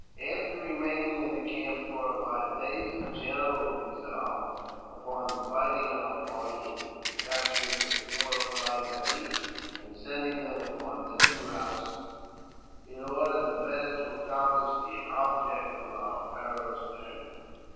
After remaining in camp four or five days, the general resolved upon dividing our party into detachments of four or five men each, and sending them upon different routes, in order the better to accomplish the object of our perilous journey, JAMES P.